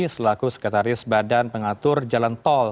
selaku sekretaris badan pengatur jalan tol